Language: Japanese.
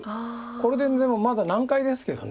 これででもまだ難解ですけど。